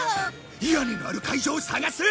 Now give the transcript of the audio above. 屋根のある会場を探す！